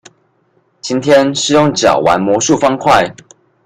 今天是用腳玩魔術方塊